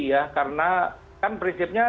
ya karena kan prinsipnya